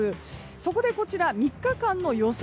そこで３日間の予想